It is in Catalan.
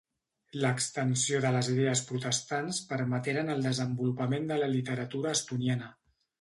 L'extensió de les idees protestants permeteren el desenvolupament de la literatura estoniana.